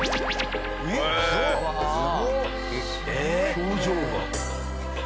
表情が。